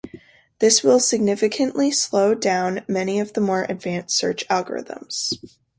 This will significantly slow down many of the more advanced search algorithms.